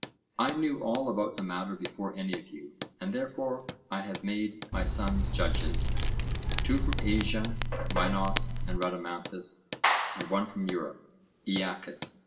I knew all about the matter before any of you, and therefore I have made my sons judges; two from Asia, Minos and Rhadamanthus, and one from Europe, Aeacus.